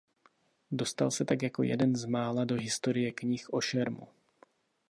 Dostal se tak jako jeden z mála do historie knih o šermu.